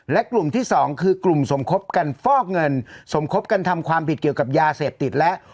และกลุ่มที่สองคือกลุ่มสมคบกันฟอกเงินสมคบกันทำความผิดเกี่ยวกับยาเสพติดและ